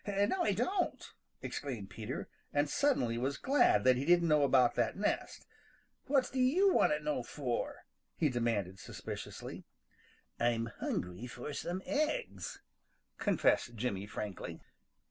"No, I don't!" exclaimed Peter, and suddenly was glad that he didn't know about that nest. "What do you want to know for?" he demanded suspiciously. "I'm hungry for some eggs," confessed Jimmy frankly.